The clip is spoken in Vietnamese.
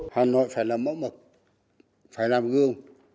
hà nội phải làm mẫu mực phải làm gương